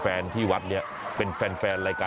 ฝานที่วัดเนี่ยเป็นฝันรายการตลอดขาว